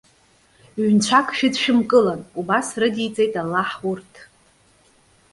Ҩ-нцәак шәыдшәымкылан!- убас рыдиҵеит Аллаҳ урҭ.